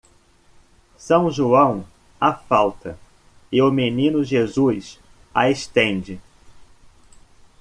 São João a falta e o Menino Jesus a estende.